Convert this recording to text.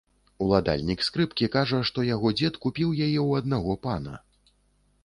Уладальнік скрыпкі кажа, што яго дзед купіў яе ў аднаго пана.